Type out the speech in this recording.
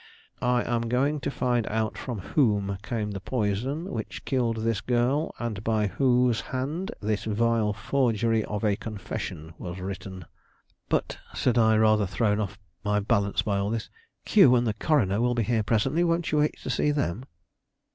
I am going to find out from whom came the poison which killed this girl, and by whose hand this vile forgery of a confession was written." "But," said I, rather thrown off my balance by all this, "Q and the coroner will be here presently, won't you wait to see them?"